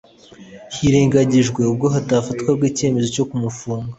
bwirengagijwe ubwo hafatwaga icyemezo cyo kumufunga,